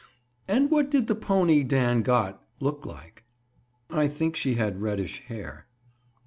"And what did the pony Dan got, look like?" "I think she had reddish hair."